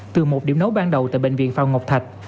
từ một điểm nấu ban đầu tại bệnh viện phong ngọc thạch